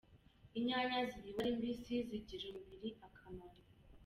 Inyanya ziriwe ari mbisi zigirira umubiri akamaro